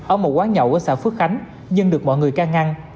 ở một quán nhậu ở xã phước khánh dân được mọi người ca ngăn